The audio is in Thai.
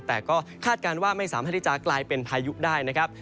แต่ก็คาดการณ์ว่าไม่สามารถที่จะกลายเป็นพายุได้นะครับ